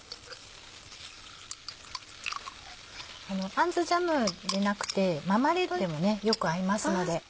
アンズジャムでなくてマーマレードでもよく合いますので。